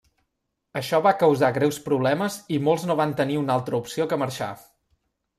Això va causar greus problemes i molts no van tenir una altra opció que marxar.